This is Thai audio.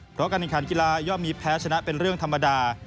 เพราะการแข่งขันกีฬาย่อมมีแพ้ชนะเป็นเรื่องธรรมดา